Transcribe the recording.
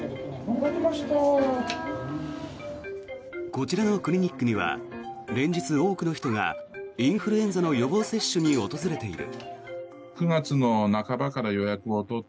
こちらのクリニックには連日、多くの人がインフルエンザの予防接種に訪れている。